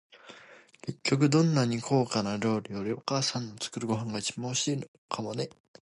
結局、どんなに高価な料理より、お母さんの作るご飯が一番おいしいのかもね。